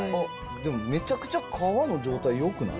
でもめちゃくちゃ皮の状態よくない？